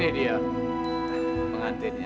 nah ini dia pengantinnya